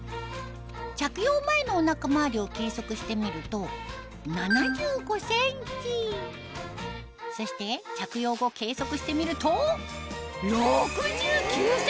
着用前のお腹周りを計測してみると７５ｃｍそして着用後計測してみると６９ｃｍに！